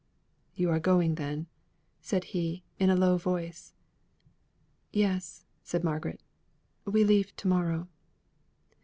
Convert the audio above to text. "You are going then!" said he in a low voice. "Yes," said Margaret. "We leave to morrow."